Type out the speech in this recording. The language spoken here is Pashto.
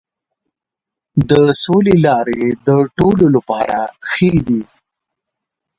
د سولې لارې د ټولو لپاره ښې دي.